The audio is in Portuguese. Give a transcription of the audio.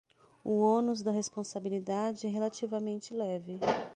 O ônus da responsabilidade é relativamente leve